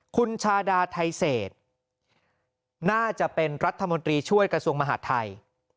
คุณชาดาไทเศษน่าจะเป็นรัฐมนตรีช่วยกระทรวงมหาดไทย